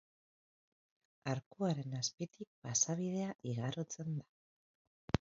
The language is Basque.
Arkuaren azpitik pasabidea igarotzen da.